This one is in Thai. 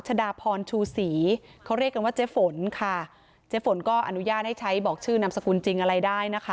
ชดาพรชูศรีเขาเรียกกันว่าเจ๊ฝนค่ะเจ๊ฝนก็อนุญาตให้ใช้บอกชื่อนามสกุลจริงอะไรได้นะคะ